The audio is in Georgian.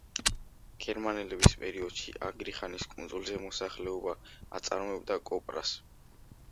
გერმანელების პერიოდში აგრიხანის კუნძულზე მოსახლეობა აწარმოებდა კოპრას.